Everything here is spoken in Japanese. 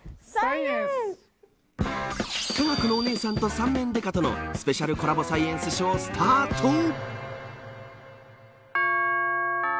科学のお姉さんと三面刑事とのスペシャルコラボサイエンスショー、スタート。